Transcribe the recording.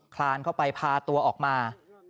คลานเข้าไปพาตัวออกมา